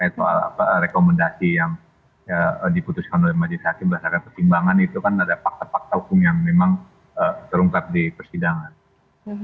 soal rekomendasi yang diputuskan oleh majelis hakim berdasarkan pertimbangan itu kan ada fakta fakta hukum yang memang terungkap di persidangan